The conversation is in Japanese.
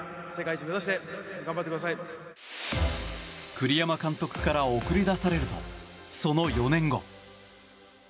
栗山監督から送り出されるとその４年後。